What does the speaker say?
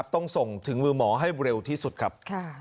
ต้องส่งถึงมือหมอให้เร็วที่สุดครับ